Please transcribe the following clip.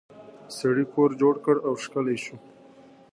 سړي کور جوړ کړ او ښکلی شو.